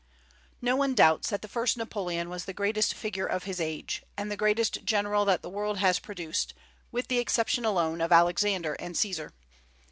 No one doubts that the first Napoleon was the greatest figure of his age, and the greatest general that the world has produced, with the exception alone of Alexander and Caesar.